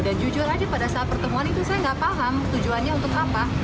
dan jujur aja pada saat pertemuan itu saya nggak paham tujuannya untuk apa